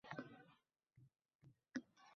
Buni ko'rgan bola qaysi yo'lni tanlaydi? Javob oddiy